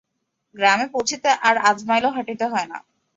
গ্রামে পৌছিতে আর আধ মাইলও হাটিতে হয় না।